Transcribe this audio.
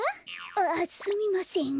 あっすみません。